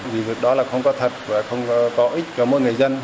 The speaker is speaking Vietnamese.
vì việc đó là không có thật và không có ích cho mỗi người dân